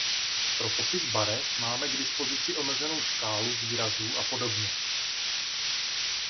Pro popis barev máme k dispozici omezenou škálu výrazů a podobně.